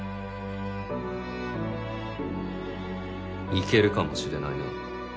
いけるかもしれないな。